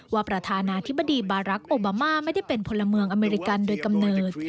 ประธานาธิบดีบารักษ์โอบามาไม่ได้เป็นพลเมืองอเมริกันโดยกำเนิด